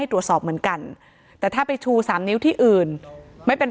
ตรวจสอบเหมือนกันแต่ถ้าไปชู๓นิ้วที่อื่นไม่เป็น